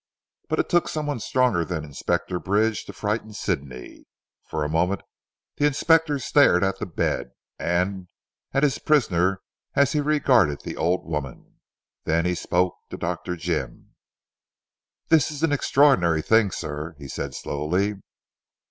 But it took someone stronger than Inspector Bridge to frighten Sidney. For a moment the Inspector stared at the bed, and at his prisoner as he regarded the old woman. Then he spoke to Dr. Jim. "This is an extraordinary thing sir," he said slowly.